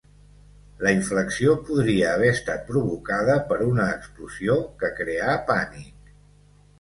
La inflexió podria haver estat provocada per una explosió que creà pànic.